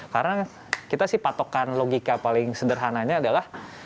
karena kita sih patokan logika paling sederhananya adalah